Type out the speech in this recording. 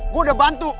gua udah bantu